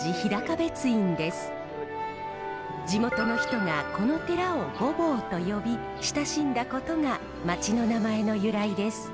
地元の人がこの寺を御坊と呼び親しんだことが町の名前の由来です。